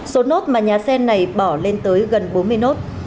số nốt mà nhà xe này bỏ lên tới gần bốn mươi nốt